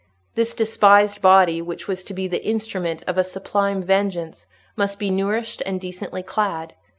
This despised body, which was to be the instrument of a sublime vengeance, must be nourished and decently clad.